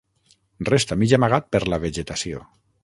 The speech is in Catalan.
Resta mig amagat per la vegetació.